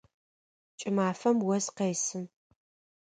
Кӏымафэм ос къесы.